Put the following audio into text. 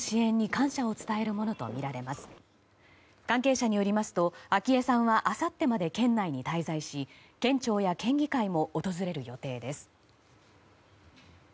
関係者によりますと、昭恵さんはあさってまで県内に滞在し県庁や県議会も訪れる予定です。